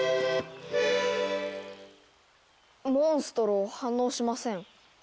モンストロ反応しません。